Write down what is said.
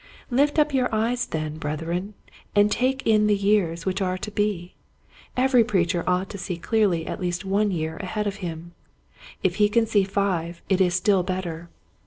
/ Lift up your eyes then. Brethren, and take in the years which are to be. Every preacher ought to see clearly at least one year ahead of him. If he can see five, it is still better.